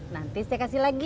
nanti saya kasih lagi